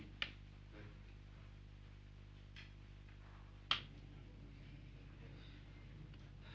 ya sama sekali